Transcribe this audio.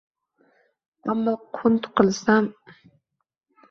Ammo qunt qilsam, yaxshi rassom bo‘lishim ham mumkin edi.